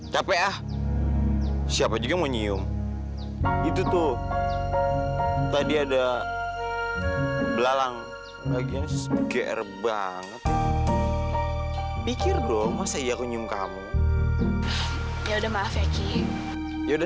sampai jumpa di video selanjutnya